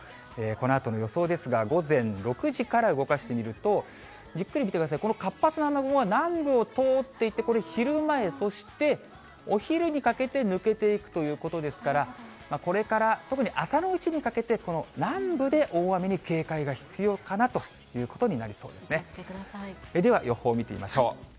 このあとの予想ですが、午前６時から動かしてみると、じっくり見てください、この活発な雨雲が南部を通っていって、これ、昼前、そしてお昼にかけて抜けていくということですから、これから特に朝のうちにかけて、この南部で大雨に警戒が必要かなということになりそうですね。